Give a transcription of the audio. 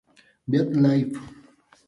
Beat Life!